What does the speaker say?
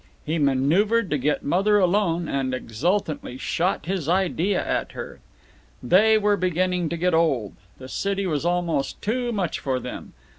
He manoeuvered to get Mother alone, and exultantly shot his idea at her. They were beginning to get old; the city was almost too much for them.